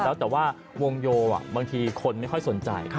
แล้วแต่ว่าวงโยบางทีคนไม่ค่อยสนใจ